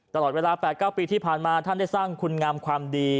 ตลอดเวลา๘๙ปีที่ผ่านมาท่านได้สร้างคุณงามความดี